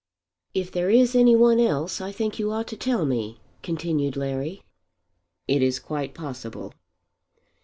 "If there is any one else I think you ought to tell me," continued Larry. "It is quite possible."